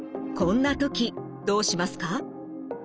こんな時どうしますか？